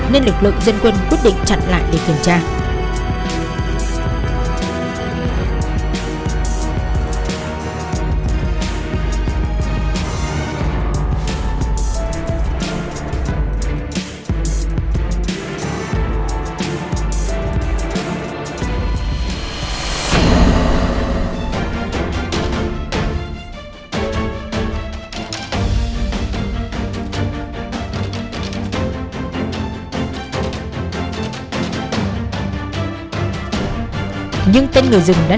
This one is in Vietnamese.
nên lực lượng dân quân quyết định chặn lại để kiểm tra